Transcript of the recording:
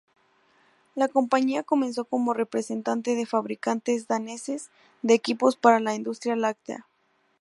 La compañía comenzó como representante de fabricantes daneses de equipos para la industria láctea.